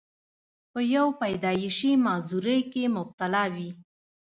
پۀ يو پېدائشي معذورۍ کښې مبتلا وي،